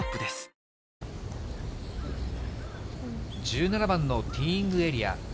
３日間、１７番のティーイングエリア。